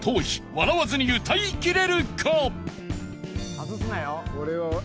外すなよ。